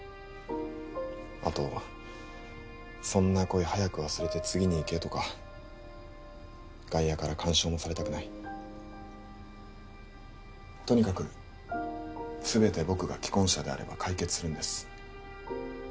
あと「そんな恋早く忘れて次にいけ」とか外野から干渉もされたくないとにかく全て僕が既婚者であれば解決するんです